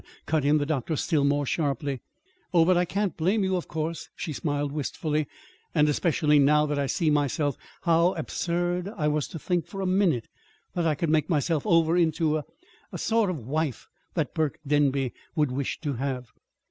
cut in the doctor, still more sharply. "Oh, but I can't blame you, of course," she smiled wistfully; "and especially now that I see myself how absurd I was to think, for a minute, that I could make myself over into a a the sort of wife that Burke Denby would wish to have."